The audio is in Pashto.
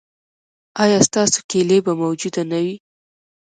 ایا ستاسو کیلي به موجوده نه وي؟